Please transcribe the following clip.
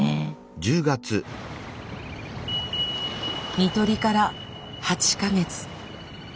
看取りから８か月。